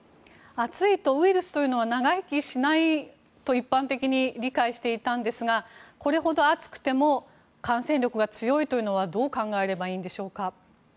暑いとウイルスというのは長生きしないと一般的に理解していたんですがこれほど暑くても感染力が強いというのはどう考えればいいんでしょうか？